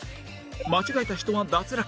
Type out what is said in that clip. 間違えた人は脱落